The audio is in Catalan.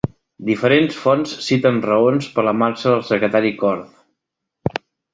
Diferents fonts citen raons per la marxa del secretari Korth.